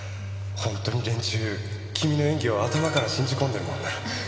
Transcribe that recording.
本当に連中君の演技を頭から信じ込んでるもんな。